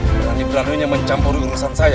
yang dipelanuinya mencampurkan ilusan saya